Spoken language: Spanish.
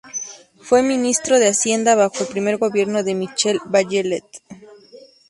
Fue ministro de Hacienda bajo el primer gobierno de Michelle Bachelet.